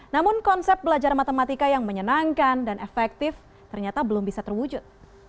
namun konsep belajar matematika yang menyenangkan dan efektif ternyata belum bisa terwujud